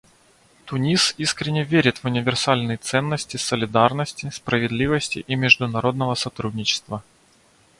Тунис искренне верит в универсальные ценности солидарности, справедливости и международного сотрудничества.